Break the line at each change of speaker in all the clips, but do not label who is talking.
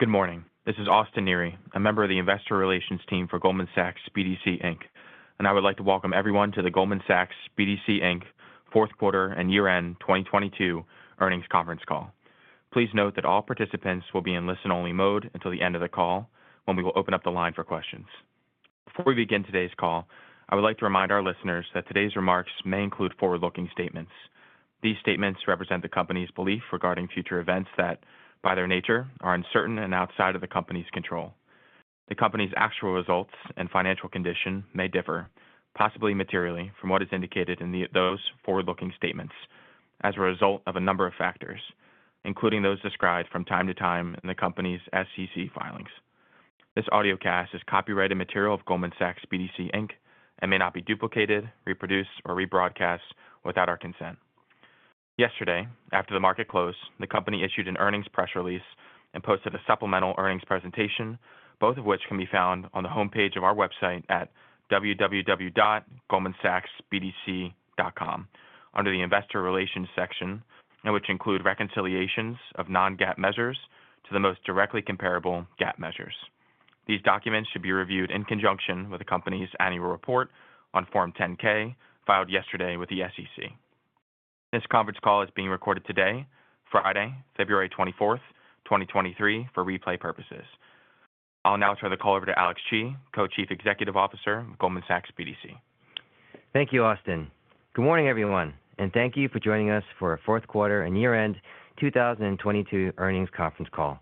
Good morning. This is Austin Neri, a member of the investor relations team for Goldman Sachs BDC, Inc. I would like to welcome everyone to the Goldman Sachs BDC, Inc. Q4 and year-end 2022 earnings conference call. Please note that all participants will be in listen-only mode until the end of the call, when we will open up the line for questions. Before we begin today's call, I would like to remind our listeners that today's remarks may include forward-looking statements. These statements represent the company's belief regarding future events that, by their nature, are uncertain and outside of the company's control. The company's actual results and financial condition may differ, possibly materially, from what is indicated in those forward-looking statements as a result of a number of factors, including those described from time to time in the company's SEC filings. This audiocast is copyrighted material of Goldman Sachs BDC Inc. and may not be duplicated, reproduced, or rebroadcast without our consent. Yesterday, after the market closed, the company issued an earnings press release and posted a supplemental earnings presentation, both of which can be found on the homepage of our website at www.goldmansachsbdc.com under the Investor Relations section, and which include reconciliations of non-GAAP measures to the most directly comparable GAAP measures. These documents should be reviewed in conjunction with the company's annual report on Form 10-K, filed yesterday with the SEC. This conference call is being recorded today, Friday, February 24th, 2023, for replay purposes. I'll now turn the call over to Alex Chi, Co-Chief Executive Officer, Goldman Sachs BDC.
Thank you, Austin. Good morning, everyone, thank you for joining us for our Q4 and year-end 2022 earnings conference call.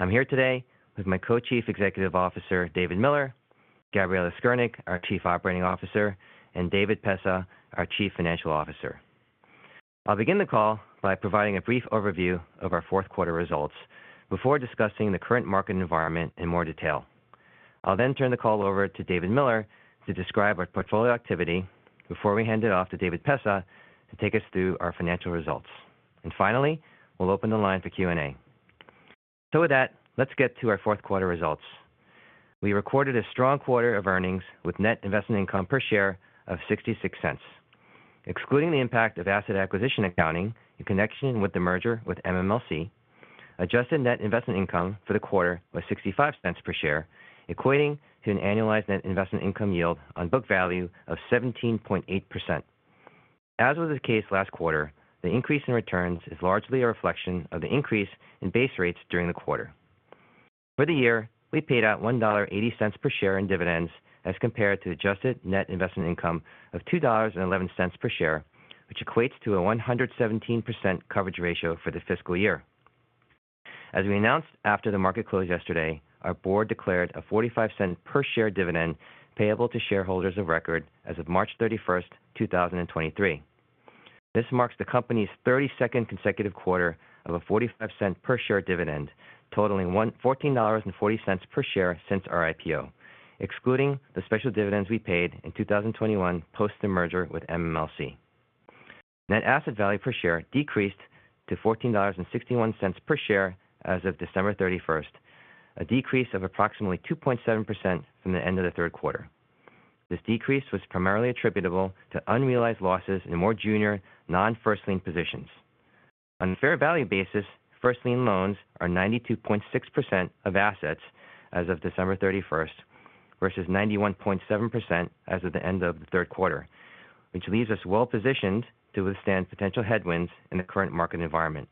I'm here today with my Co-Chief Executive Officer, David Miller, Gabriella Skirde, our Chief Operating Officer, and David Pessah, our Chief Financial Officer. I'll begin the call by providing a brief overview of our Q4 results before discussing the current market environment in more detail. I'll turn the call over to David Miller to describe our portfolio activity before we hand it off to David Pessah to take us through our financial results. Finally, we'll open the line for Q&A. With that, let's get to our Q4 results. We recorded a strong quarter of earnings with net investment income per share of $0.66. Excluding the impact of asset acquisition accounting in connection with the merger with MMLC, adjusted net investment income for the quarter was $0.65 per share, equating to an annualized net investment income yield on book value of 17.8%. As was the case last quarter, the increase in returns is largely a reflection of the increase in base rates during the quarter. For the year, we paid out $1.80 per share in dividends as compared to adjusted net investment income of $2.11 per share, which equates to a 117% coverage ratio for the fiscal year. As we announced after the market closed yesterday, our board declared a $0.45 per share dividend payable to shareholders of record as of March 31, 2023. This marks the company's 32nd consecutive quarter of a $0.45 per share dividend, totaling $14.40 per share since our IPO, excluding the special dividends we paid in 2021 post the merger with MMLC. Net asset value per share decreased to $14.61 per share as of December 31st, a decrease of approximately 2.7% from the end of the Q3 This decrease was primarily attributable to unrealized losses in more junior non-first lien positions. On a fair value basis, first lien loans are 92.6% of assets as of December 31st versus 91.7% as of the end of the Q3, which leaves us well positioned to withstand potential headwinds in the current market environment.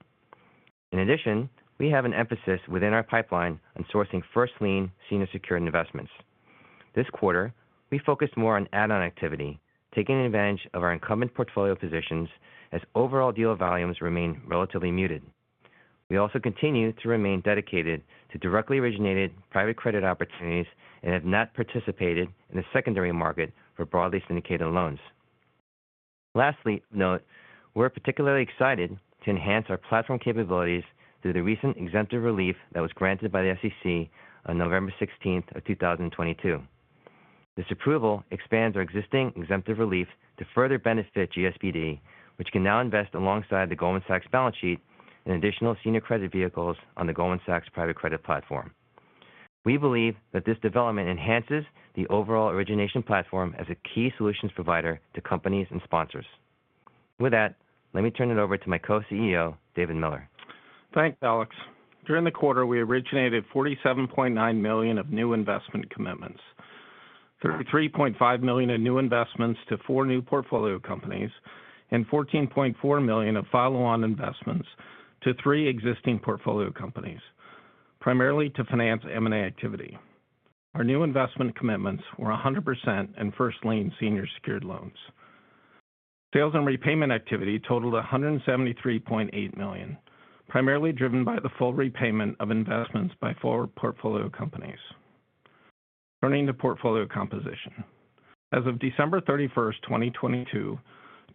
We have an emphasis within our pipeline on sourcing first lien senior secured investments. This quarter, we focused more on add-on activity, taking advantage of our incumbent portfolio positions as overall deal volumes remain relatively muted. We also continue to remain dedicated to directly originated private credit opportunities and have not participated in the secondary market for broadly syndicated loans. Lastly of note, we're particularly excited to enhance our platform capabilities through the recent exemptive relief that was granted by the SEC on November 16th, 2022. This approval expands our existing exemptive relief to further benefit GSBD, which can now invest alongside the Goldman Sachs balance sheet in additional senior credit vehicles on the Goldman Sachs private credit platform. We believe that this development enhances the overall origination platform as a key solutions provider to companies and sponsors. With that, let me turn it over to my Co-CEO, David Miller.
Thanks, Alex. During the quarter, we originated $47.9 million of new investment commitments, $33.5 million in new investments to 4 new portfolio companies, and $14.4 million of follow-on investments to 3 existing portfolio companies, primarily to finance M&A activity. Our new investment commitments were 100% in first lien senior secured loans. Sales and repayment activity totaled $173.8 million, primarily driven by the full repayment of investments by 4 portfolio companies. Turning to portfolio composition. As of December 31, 2022,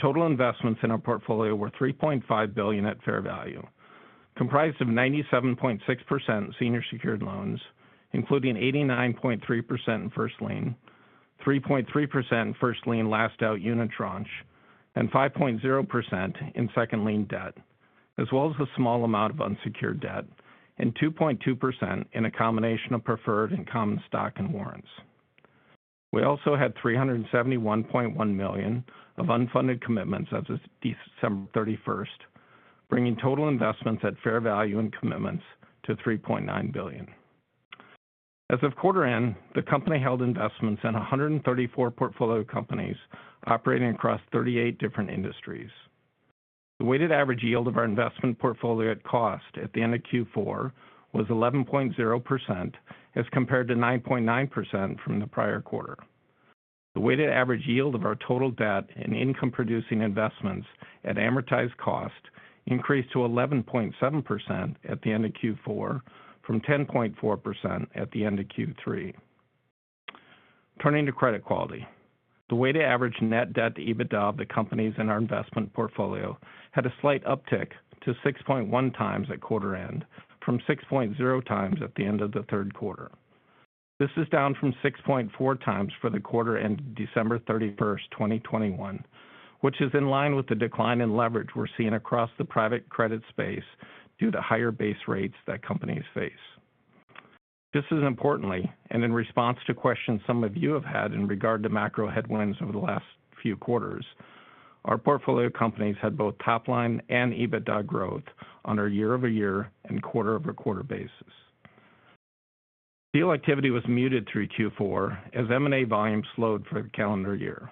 total investments in our portfolio were $3.5 billion at fair value, comprised of 97.6% senior secured loans, including 89.3% in first lien, 3.3% in first lien/last-out unitranche, and 5.0% in second lien debt, as well as a small amount of unsecured debt, and 2.2% in a combination of preferred and common stock and warrants. We also had $371.1 million of unfunded commitments as of December 31st, bringing total investments at fair value and commitments to $3.9 billion. As of quarter end, the company held investments in 134 portfolio companies operating across 38 different industries. The weighted average yield of our investment portfolio at cost at the end of Q4 was 11.0% as compared to 9.9% from the prior quarter. The weighted average yield of our total debt and income producing investments at amortized cost increased to 11.7% at the end of Q4 from 10.4% at the end of Q3. Turning to credit quality. The weighted average net debt to EBITDA of the companies in our investment portfolio had a slight uptick to 6.1x at quarter end from 6.0x at the end of the Q3. This is down from 6.4x for the quarter ended December 31, 2021, which is in line with the decline in leverage we're seeing across the private credit space due to higher base rates that companies face. Just as importantly, and in response to questions some of you have had in regard to macro headwinds over the last few quarters, our portfolio companies had both top line and EBITDA growth on a year-over-year and quarter-over-quarter basis. Deal activity was muted through Q4 as M&A volume slowed for the calendar year.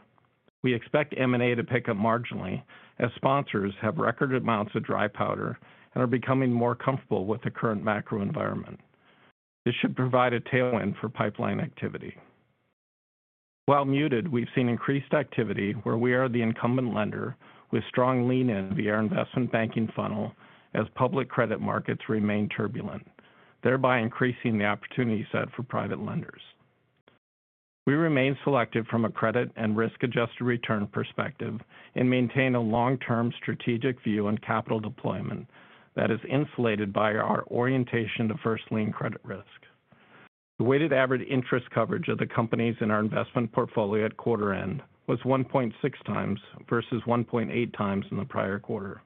We expect M&A to pick up marginally as sponsors have record amounts of dry powder and are becoming more comfortable with the current macro environment. This should provide a tailwind for pipeline activity. While muted, we've seen increased activity where we are the incumbent lender with strong lean in via our investment banking funnel as public credit markets remain turbulent, thereby increasing the opportunity set for private lenders. We remain selective from a credit and risk-adjusted return perspective and maintain a long-term strategic view on capital deployment that is insulated by our orientation to first lien credit risk. The weighted average interest coverage of the companies in our investment portfolio at quarter end was 1.6 times versus 1.8 times in the prior quarter.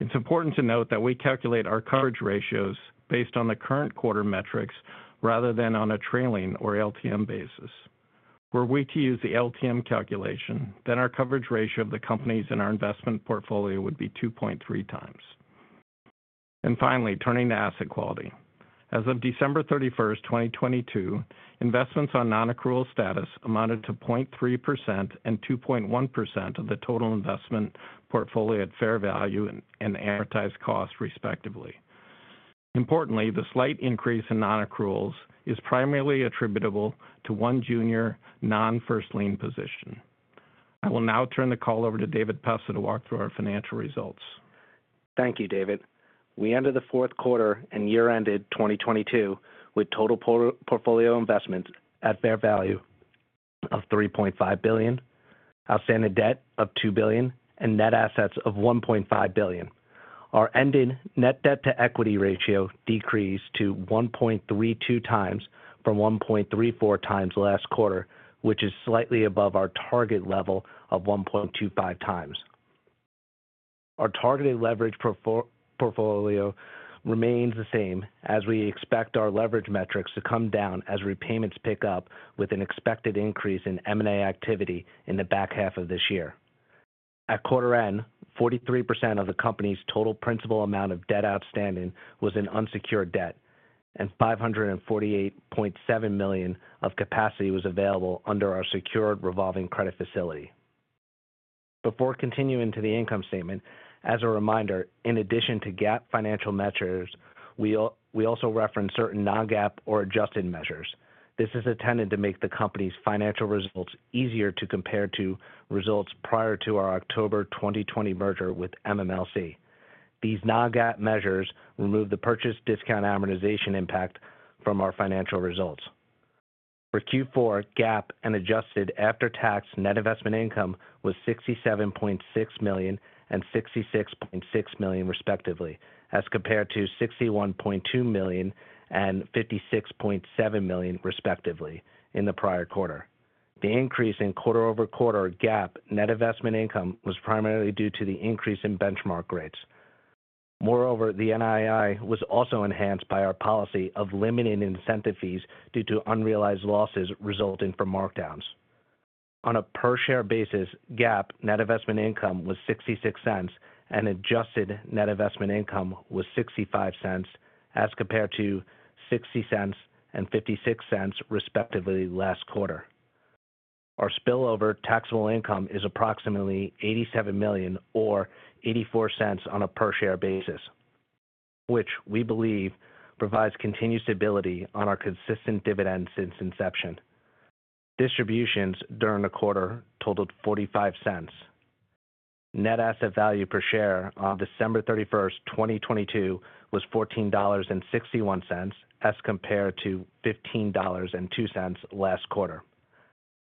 It's important to note that we calculate our coverage ratios based on the current quarter metrics rather than on a trailing or LTM basis. Were we to use the LTM calculation, then our coverage ratio of the companies in our investment portfolio would be 2.3 times. Finally, turning to asset quality. As of December 31, 2022, investments on non-accrual status amounted to 0.3% and 2.1% of the total investment portfolio at fair value and amortized cost, respectively. Importantly, the slight increase in non-accruals is primarily attributable to one junior non-first lien position. I will now turn the call over to David Pessah to walk through our financial results.
Thank you, David. We ended the Q4 and year ended 2022 with total portfolio investments at fair value of $3.5 billion, outstanding debt of $2 billion, and net assets of $1.5 billion. Our ended net debt to equity ratio decreased to 1.32 times from 1.34 times last quarter, which is slightly above our target level of 1.25 times. Our targeted leverage portfolio remains the same as we expect our leverage metrics to come down as repayments pick up with an expected increase in M&A activity in the back half of this year. At quarter end, 43% of the company's total principal amount of debt outstanding was in unsecured debt, and $548.7 million of capacity was available under our secured revolving credit facility. Before continuing to the income statement, as a reminder, in addition to GAAP financial measures, we also reference certain non-GAAP or adjusted measures. This is intended to make the company's financial results easier to compare to results prior to our October 2020 merger with MMLC. These non-GAAP measures remove the purchase discount amortization impact from our financial results. For Q4, GAAP and adjusted after-tax net investment income was $67.6 million and $66.6 million, respectively, as compared to $61.2 million and $56.7 million, respectively, in the prior quarter. The increase in quarter-over-quarter GAAP net investment income was primarily due to the increase in benchmark rates. Moreover, the NII was also enhanced by our policy of limiting incentive fees due to unrealized losses resulting from markdowns. On a per share basis, GAAP net investment income was $0.66 and adjusted net investment income was $0.65 as compared to $0.60 and $0.56, respectively, last quarter. Our spillover taxable income is approximately $87 million or $0.84 on a per share basis, which we believe provides continued stability on our consistent dividend since inception. Distributions during the quarter totaled $0.45. Net asset value per share on December 31, 2022, was $14.61 as compared to $15.02 last quarter.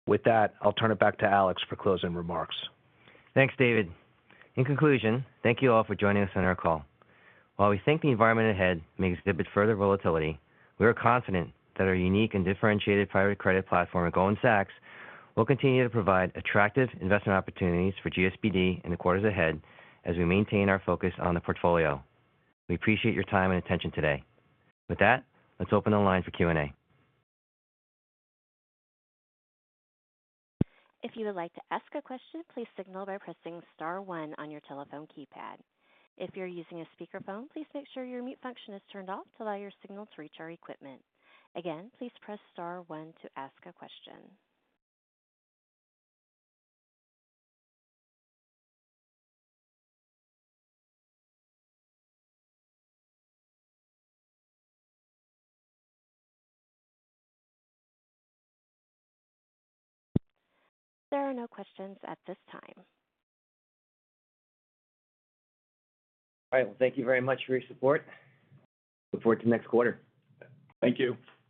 With that, I'll turn it back to Alex for closing remarks.
Thanks, David. In conclusion, thank you all for joining us on our call. While we think the environment ahead may exhibit further volatility, we are confident that our unique and differentiated private credit platform at Goldman Sachs will continue to provide attractive investment opportunities for GSBD in the quarters ahead as we maintain our focus on the portfolio. We appreciate your time and attention today. With that, let's open the line for Q&A.
If you would like to ask a question, please signal by pressing star one on your telephone keypad. If you're using a speakerphone, please make sure your mute function is turned off to allow your signal to reach our equipment. Again, please press star one to ask a question. There are no questions at this time.
All right. Well, thank you very much for your support. Look forward to next quarter.
Thank you.